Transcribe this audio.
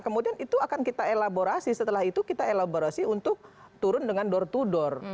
kemudian itu akan kita elaborasi setelah itu kita elaborasi untuk turun dengan door to door